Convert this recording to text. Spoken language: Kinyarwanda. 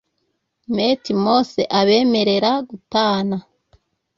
mt mose abemerera gutana